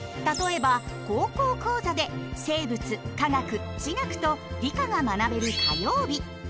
例えば「高校講座」で生物化学地学と理科が学べる火曜日。